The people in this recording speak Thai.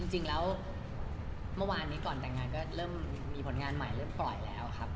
จริงแล้วเมื่อวานนี้ก่อนแต่งงานก็เริ่มมีผลงานใหม่เริ่มปล่อยแล้วครับ